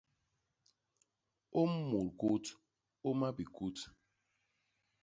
Ôm mut kut; ôma bikut.